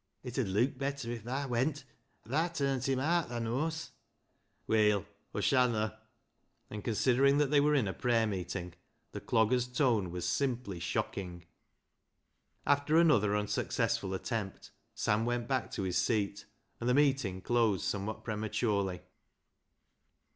" It 'ud leuk better if thaa went ; thaa turnt him aat, thaa knows." " Weel, Aw shanna ;" and considering that they were in a prayer meeting, the Clogger's tone was simply shocking. After another unsuccessful attempt, Sam went back to his seat, and the meeting closed some what prematurely.